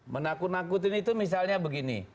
menakut nakutin itu misalnya begini